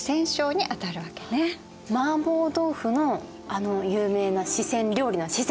マーボー豆腐のあの有名な四川料理の四川！？